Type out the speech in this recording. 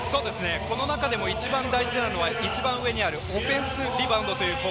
この中でも一番大事なのが一番上にあるオフェンスリバウンドです。